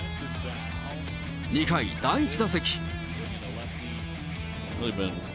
２回、第１打席。